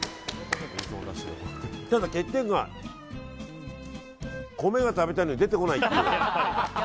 ただ欠点が米が食べたいのに出てこないっていう。